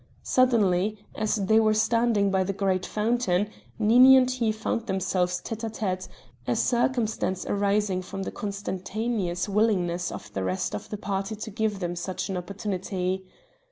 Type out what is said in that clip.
Suddenly, as they were standing by the great fountain, Nini and he found themselves tête à tête, a circumstance arising from the consentaneous willingness of the rest of the party to give them such an opportunity.